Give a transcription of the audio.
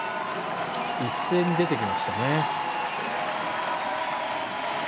一斉に出てきましたね。